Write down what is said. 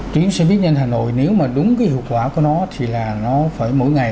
tuyến xe buýt nhanh hà nội nếu mà đúng cái hiệu quả của nó thì là nó phải mỗi ngày